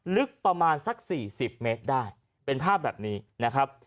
ลึกประมาณสัก๔๐เมตรได้เป็นภาพแบบนี้นะครับ